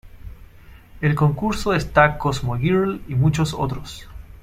El concurso está Cosmo Girl y muchos otros.